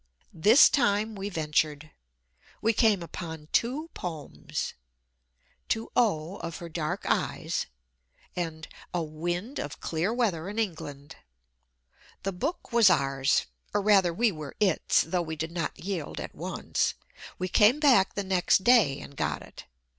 This time we ventured. We came upon two poems "To O, Of Her Dark Eyes," and "A Wind of Clear Weather in England." The book was ours or rather, we were its, though we did not yield at once. We came back the next day and got it.